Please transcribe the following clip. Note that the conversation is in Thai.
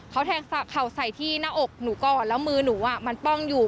เขาแทงเข่าใส่ที่หน้าอกหนูก่อนแล้วมือหนูมันป้องอยู่